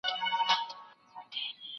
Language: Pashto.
د زړو شرابو ډکي دوې پیالي دی